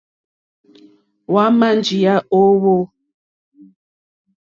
Hwámà njíyá ó hwò.